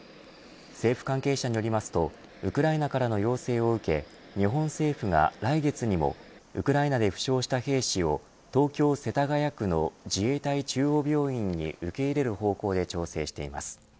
政府関係者によりますとウクライナからの要請を受け日本政府が来月にもウクライナで負傷した兵士を東京、世田谷区の自衛隊中央病院に受け入れる方向で調整しています。